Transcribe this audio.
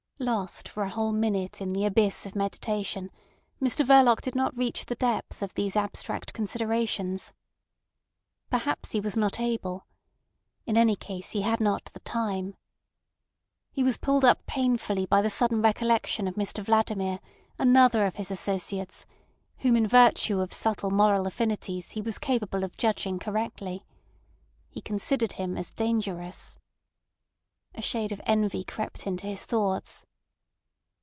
Lost for a whole minute in the abyss of meditation, Mr Verloc did not reach the depth of these abstract considerations. Perhaps he was not able. In any case he had not the time. He was pulled up painfully by the sudden recollection of Mr Vladimir, another of his associates, whom in virtue of subtle moral affinities he was capable of judging correctly. He considered him as dangerous. A shade of envy crept into his thoughts.